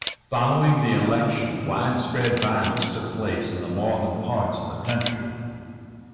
Following the election widespread violence took place in the northern parts of the country.